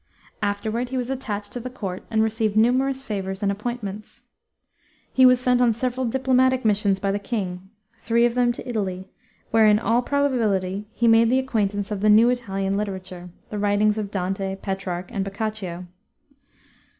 Afterward he was attached to the court and received numerous favors and appointments. He was sent on several diplomatic missions by the king, three of them to Italy, where, in all probability, he made the acquaintance of the new Italian literature, the writings of Dante, Petrarch, and Boccaccio.